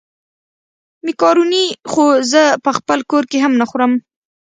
مېکاروني خو زه په خپل کور کې هم نه خورم.